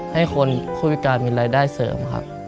ให้คนคู่พิการมีรายได้เสริม